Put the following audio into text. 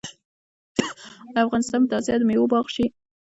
آیا افغانستان به د اسیا د میوو باغ شي؟